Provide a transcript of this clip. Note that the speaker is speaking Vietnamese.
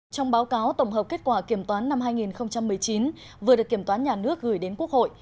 trong báo cáo tổng hợp kết quả kiểm toán năm hai nghìn một mươi chín vừa được kiểm toán nhà nước gửi đến quốc hội